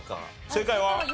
正解は？